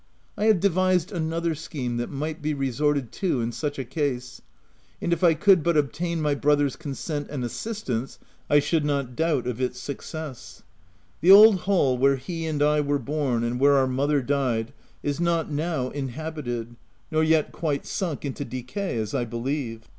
I have devised another scheme that might be resorted to in such a case, and if I could but obtain my brother's consent and assistance, I should not doubt of its success. The old hall where he and I were born and where our mother died, is not now inhabited, nor yet quite sunk into decay, as I believe.